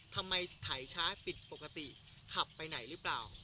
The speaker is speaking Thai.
ไถช้าปิดปกติขับไปไหนหรือเปล่า